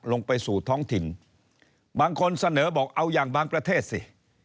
ลงไปสู่ท้องถิ่นบางคนเสนอบอกเอาอย่างบางประเทศสิ